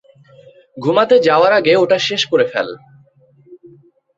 ঘুমাতে যাওয়ার আগে ওটা শেষ করে ফেল্।